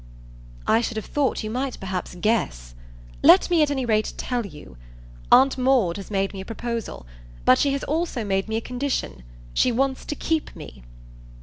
"I should have thought you might perhaps guess. Let me at any rate tell you. Aunt Maud has made me a proposal. But she has also made me a condition. She wants to keep me."